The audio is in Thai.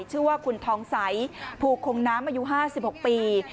ชื่อว่าคุณทองใสภูคงน้ำอายุ๕๖ปี